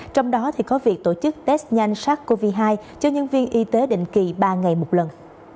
trong đó có việc tổ chức test nhanh sars cov hai cho nhân viên y tế định kỳ ba ngày một lần